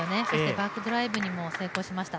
バックドライブにも成功しました。